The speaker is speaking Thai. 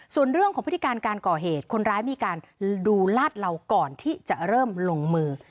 ส่วนเรื่องของพฤติการการก่อเหตุคนร้ายมีการดูลาดเหล่าก่อนที่จะเริ่มลงมือ